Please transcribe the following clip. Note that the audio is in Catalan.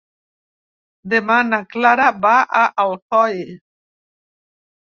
Demà na Clara va a Alcoi.